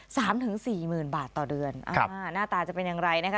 สามถึงสี่หมื่นบาทต่อเดือนอ่าหน้าตาจะเป็นอย่างไรนะคะ